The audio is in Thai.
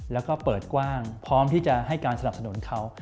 แล้วก็เปิดกว้างพร้อมที่จะให้การสนับสนุนเขา